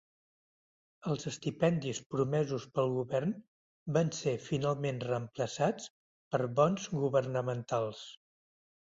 Els estipendis promesos pel govern van ser finalment reemplaçats per bons governamentals.